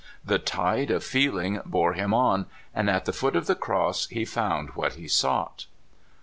The tide of feeling bore him on, and at the foot of the cross he found what he sought.